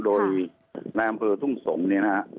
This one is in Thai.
โดยในอำเภอทุ่งสงฆ์